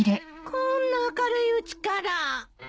こんな明るいうちから。